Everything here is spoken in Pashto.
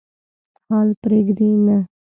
حال پرېږدي نه.